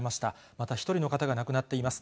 また１人の方が亡くなっています。